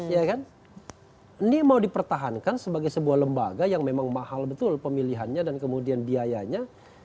ya kan ini mau dipertahankan sebagai sebuah lembaga yang memang mahal betul pemilihannya dan kemudian biayanya